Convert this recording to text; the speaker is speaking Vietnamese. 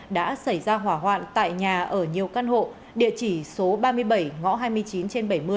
đã xảy ra hỏa hoạn tại nhà ở nhiều căn hộ địa chỉ số ba mươi bảy ngõ hai mươi chín trên bảy mươi